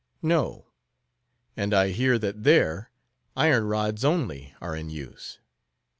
"No. And I hear that there, iron rods only are in use.